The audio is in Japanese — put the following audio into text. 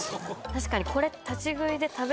確かにこれ。